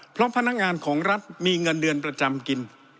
เพราะพนักงานของรัฐมีเงินเดือนประจำกิน